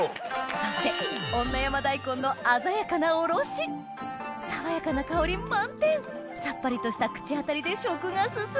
そして女山大根の鮮やかなおろし爽やかな香り満点さっぱりとした口当たりで食が進む！